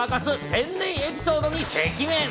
天然エピソードに赤面！